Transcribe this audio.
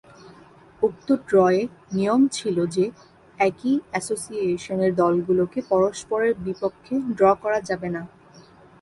উক্ত ড্রয়ে নিয়ম ছিল যে একই অ্যাসোসিয়েশনের দলগুলোকে পরস্পরের বিপক্ষে ড্র করা যাবে না।